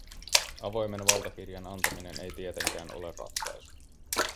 Avoimen valtakirjan antaminen ei tietenkään ole ratkaisu.